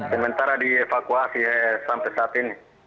sementara dievakuasi sampai saat ini